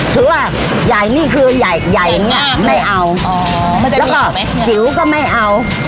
คือว่าใหญ่นี่คือใหญ่ใหญ่อย่างนี้ไม่เอาแล้วก็จิ๋วก็ไม่เอา